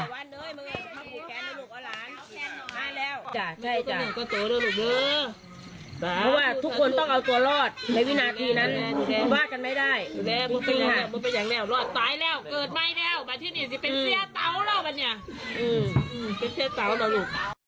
๑๗นาที๒๒นาทีพักกันสักครู่